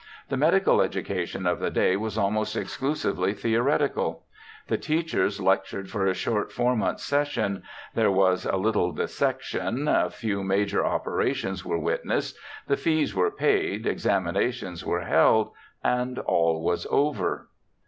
The medical education of the day was almost exclusively theoretical; the teachers lectured for a short four months' session, there was a Httle dissection, a few major operations were witnessed, the fees were paid, examinations were held— and all was over.